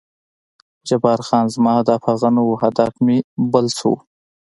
جبار خان: زما هدف هغه نه و، هدف مې بل څه و.